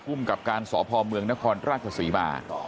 กับการสพเมืองนครราชศรีมา